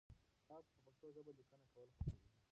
تاسو په پښتو ژبه لیکنه کول خوښوئ؟